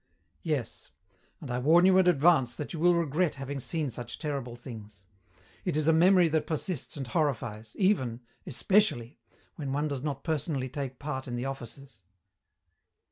"Yes. And I warn you in advance that you will regret having seen such terrible things. It is a memory that persists and horrifies, even especially when one does not personally take part in the offices."